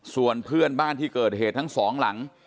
ส่วนเพื่อนบ้านที่เกิดเหตุทั้งสองหลัง